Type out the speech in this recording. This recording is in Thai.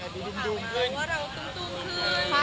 ดูดุมขึ้น